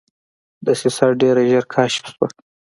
دسیسه ډېره ژر کشف شوه.